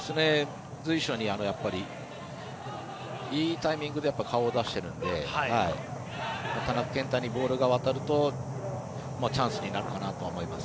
随所に、いいタイミングで顔を出しているので田中健太にボールが渡るとチャンスになるかなとは思います。